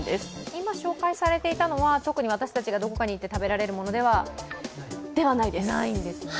今紹介されていたのは私たちがどこかに行って食べられるものではないんですね。